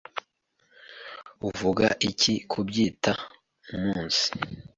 Uvuga iki kubyita umunsi?